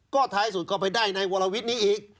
ก็ท้ายสุดก็ไปได้ในวรวิทย์นี้อีก